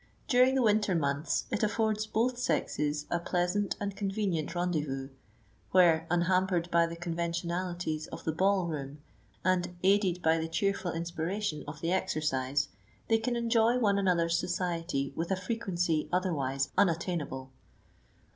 During the winter months it affords both sexes a pleasant and convenient rendezvous, where, unhampered by the conventionalities of the ball room, and aided by the cheerful inspiration of the exercise, they can enjoy one another's society with a frequency otherwise unattainable.